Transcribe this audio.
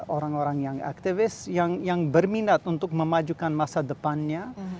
orang orang yang aktivis yang berminat untuk memajukan masa depannya